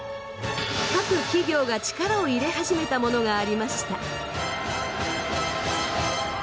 各企業が力を入れ始めたものがありました。